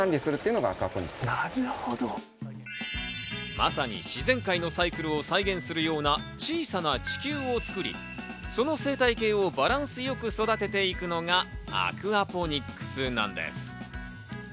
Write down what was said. まさに自然界のサイクルを再現するような小さな地球を作り、その生態系をバランスよく育てていくのがアクアポニックスなんです。